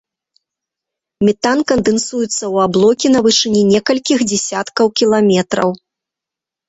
Метан кандэнсуецца ў аблокі на вышыні некалькіх дзесяткаў кіламетраў.